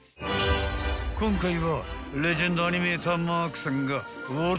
［今回は］